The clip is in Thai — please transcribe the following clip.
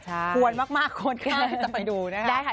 ใช่ควรมากควรค่ะจะไปดูนะคะได้ค่ะ